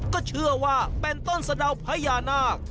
ก็เชื่อว่าเป็นต้นสะดาวพญานาค